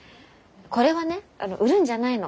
これはねあの売るんじゃないの。